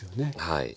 はい。